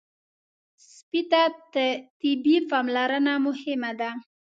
سپي ته طبي پاملرنه مهمه ده.